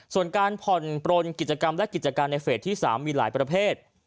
ส่วนการผ่อนปลนกิจกรรมและกิจการในเฟสที่๓มีหลายประเภท